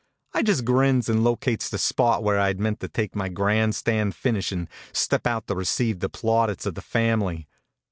I just grins and locates the spot where I meant to make my grandstand finish and step out to receive the plaudits of the fam ly.